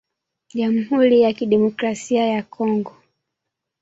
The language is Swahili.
Jamhuri ya kidemokrasia ya Kongo